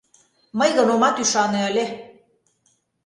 — Мый гын омат ӱшане ыле!